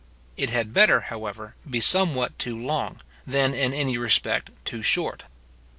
It had better, however, be somewhat too long, than in any respect too short.